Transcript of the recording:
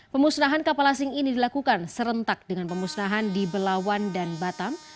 pemusnahan kapal asing ini dilakukan serentak dengan pemusnahan di belawan dan batam